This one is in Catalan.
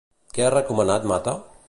Què ha recomanat Mata?